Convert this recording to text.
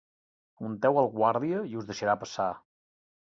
Unteu el guàrdia i us deixarà passar.